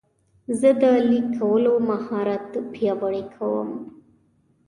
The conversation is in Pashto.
زه د لیک کولو مهارت پیاوړی کوم.